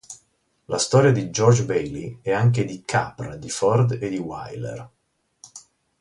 La storia di George Bailey è anche di Capra, di Ford e di Wyler.